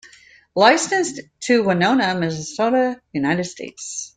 Licensed to Winona, Minnesota, United States.